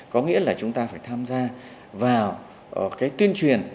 có nghĩa là chúng ta phải tham gia vào cái tuyên truyền